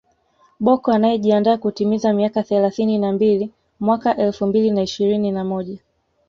Bocco anayejiandaa kutimiza miaka thelathini na mbili mwaka elfu mbili na ishirini na moja